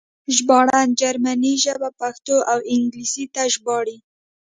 ژباړن جرمنۍ ژبه پښتو او انګلیسي ته ژباړي